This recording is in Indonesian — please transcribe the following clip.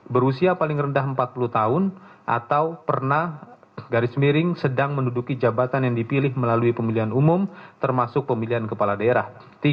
berusia paling rendah empat puluh tahun atau pernah garis miring sedang menduduki jabatan yang dipilih melalui pemilihan umum termasuk pemilihan kepala daerah